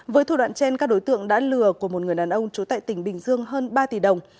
với thủ đoạn trên các đối tượng đã lừa của một người đàn ông chú tại tp hcm hơn ba tỷ đồng